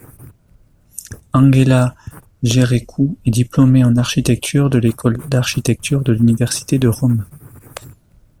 Angela Gerékou est diplômée en architecture de l'École d'architecture de l'Université de Rome.